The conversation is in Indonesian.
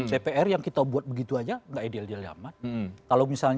cpr yang kita buat begitu saja tidak ideal jaman